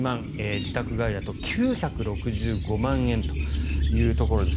自宅からだと９６５万円というところです。